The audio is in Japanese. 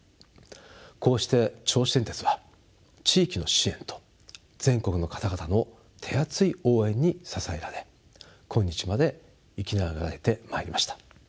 こうして銚子電鉄は地域の支援と全国の方々の手厚い応援に支えられ今日まで生き長らえてまいりました。